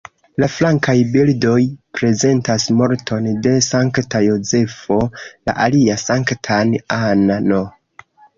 La flankaj bildoj prezentas morton de Sankta Jozefo, la alia Sanktan Anna-n.